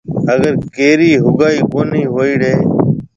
اگر ڪيرِي هگائي ڪونِي هوئيوڙِي هيَ۔